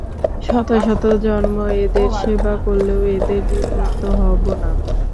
শত শত জন্ম এদের সেবা করলেও এদের ঋণমুক্ত হব না।